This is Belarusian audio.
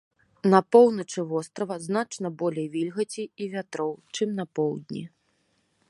На поўначы вострава значна болей вільгаці і вятроў, чым на поўдні.